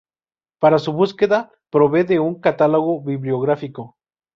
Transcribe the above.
Para su búsqueda, provee de un catálogo bibliográfico.